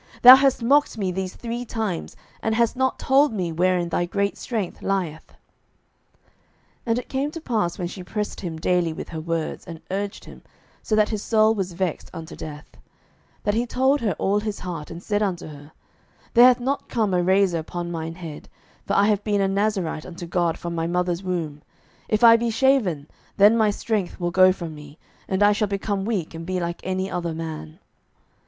thou hast mocked me these three times, and hast not told me wherein thy great strength lieth. 07:016:016 And it came to pass, when she pressed him daily with her words, and urged him, so that his soul was vexed unto death; 07:016:017 That he told her all his heart, and said unto her, There hath not come a razor upon mine head; for I have been a Nazarite unto God from my mother's womb: if I be shaven, then my strength will go from me, and I shall become weak, and be like any other man.